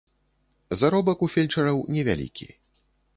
Заробак у фельчараў невялікі.